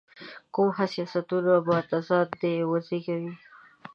کوم حساسیتونه یا تضادات دې وزېږوي.